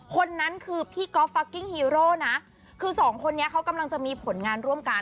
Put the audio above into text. คนนั้นคือพี่ก๊อฟฟักกิ้งฮีโร่นะคือสองคนนี้เขากำลังจะมีผลงานร่วมกัน